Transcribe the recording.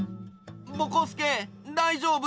ぼこすけだいじょうぶ？